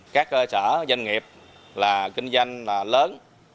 các cơ sở doanh nghiệp là kinh doanh lớn